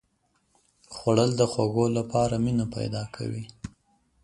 خوړل د خوږو لپاره مینه پیدا کوي